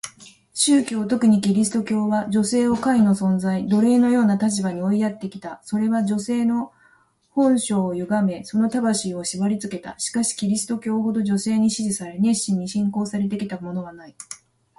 宗教、特にキリスト教は、女性を下位の存在、奴隷のような立場に追いやってきた。それは女性の本性を歪め、その魂を縛りつけた。しかしキリスト教ほど女性に支持され、熱心に信仰されてきたものはない。